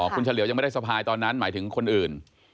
คุณเฉลียวยังไม่ได้สะพายตอนนั้นหมายถึงคนอื่น